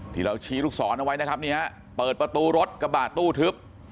ที่เราชี้ลูกศรเอาไว้นะครับนี่ฮะเปิดประตูรถกระบะตู้ทึบ